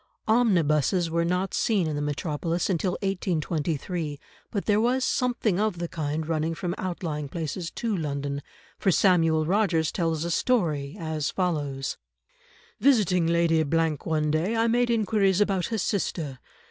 Omnibuses were not seen in the metropolis until 1823, but there was something of the kind running from outlying places to London, for Samuel Rogers tells a story as follows:— "Visiting Lady —— one day, I made inquiries about her sister.